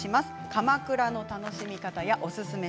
鎌倉の楽しみ方やおすすめ